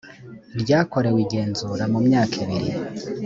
ryakorewe igenzura mu myaka ibiri